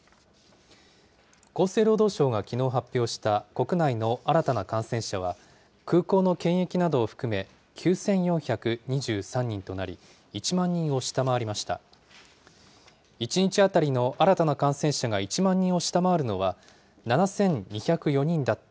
厚生労働省がきのう発表した、国内の新たな感染者は、空港の検疫などを含め、９４２３人となり、１万人を下回りました。